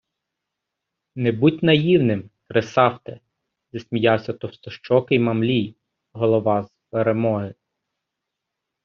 - Не будь наївним, Кресафте, засміявся товстощокий Мамлій, голова з "Перемоги".